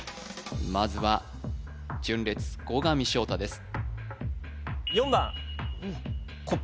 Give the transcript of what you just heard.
まずは純烈後上翔太です